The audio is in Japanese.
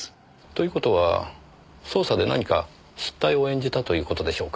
という事は捜査で何か失態を演じたという事でしょうか？